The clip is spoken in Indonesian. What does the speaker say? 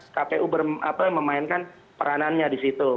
kpu berm apa memainkan peranannya di situ